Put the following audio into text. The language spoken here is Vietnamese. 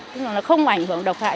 tức là nó không ảnh hưởng độc hại